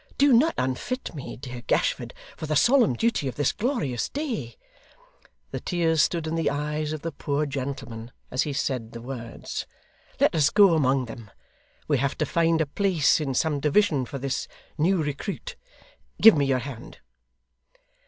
'Do not unfit me, dear Gashford, for the solemn duty of this glorious day ' the tears stood in the eyes of the poor gentleman as he said the words. 'Let us go among them; we have to find a place in some division for this new recruit give me your hand.